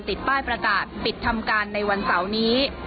ติดป้ายประกาศปิดทำการในวันเสาร์นี้